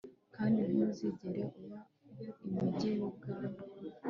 kandi ntuzigere uba imigi yubwami